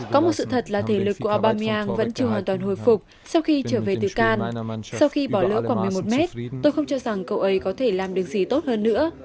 có một sự thật là thể lực của abamiang vẫn chưa hoàn toàn hồi phục sau khi trở về từ can sau khi bỏ lỡ khoảng một mươi một mét tôi không cho rằng cậu ấy có thể làm được gì tốt hơn nữa